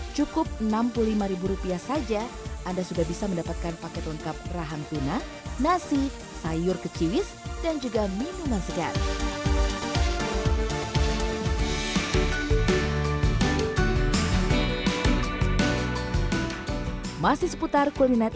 cukup enam puluh lima rupiah saja anda sudah bisa mendapatkan paket lengkap raham tuna nasi sayur keciwis dan juga minuman segar kuliner